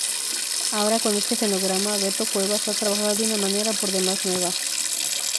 Ahora, con este fonograma, Beto Cuevas ha trabajado de una manera por demás nueva.